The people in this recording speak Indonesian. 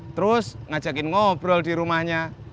terus ngajakin ngobrol di rumahnya